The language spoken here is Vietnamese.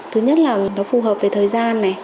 thứ nhất là nó phù hợp với thời gian này